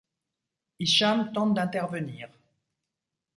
Hicham tente d’intervenir.